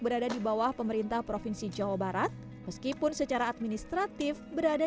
berada di bawah pemerintah provinsi jawa barat meskipun secara administratif berada